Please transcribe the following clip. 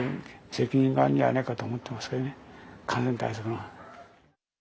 責任があるんじゃないかと思ってますけどね、感染対策の。